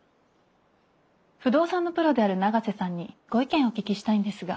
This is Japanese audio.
不動産のプロである永瀬さんにご意見をお聞きしたいんですが。